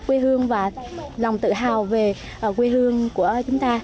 quê hương và lòng tự hào về quê hương của chúng ta